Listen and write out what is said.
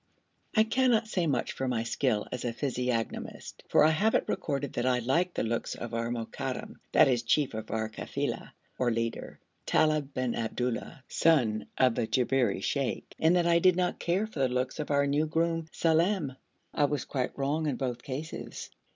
I cannot say much for my skill as a physiognomist, for I have it recorded that I liked the looks of our Mokadam (that is chief of our kafila, or leader) Talib bin Abdullah, son of the Jabberi sheikh, and that I did not care for the looks of our new groom, Salem. I was quite wrong in both cases.